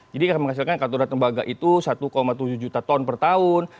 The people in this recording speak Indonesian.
jadi akan menghasilkan katauda tembaga itu satu tujuh juta ton per tahun